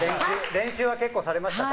練習は結構されましたか？